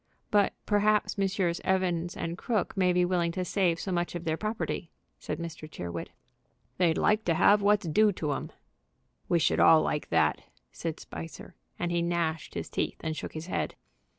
"But perhaps Messrs. Evans & Crooke may be willing to save so much of their property," said Mr. Tyrrwhit. "They'd like to have what's due to 'em." "We should all like that," said Spicer, and he gnashed his teeth and shook his head.